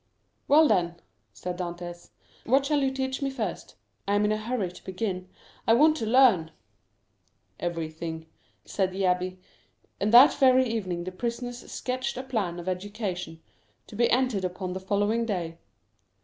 "Well, then," said Dantès, "What shall you teach me first? I am in a hurry to begin. I want to learn." "Everything," said the abbé. And that very evening the prisoners sketched a plan of education, to be entered upon the following day.